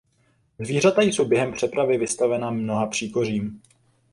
Zvířata jsou během přepravy vystavena mnoha příkořím.